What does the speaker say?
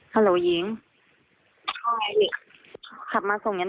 ที่อ๊อฟวัย๒๓ปี